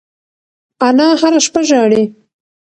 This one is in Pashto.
انا هره شپه ژاړي.